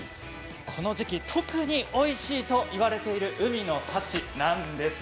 この時期、特においしいと言われている海の幸なんです。